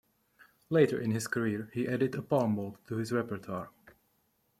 Later in his career, he added a palmball to his repertoire.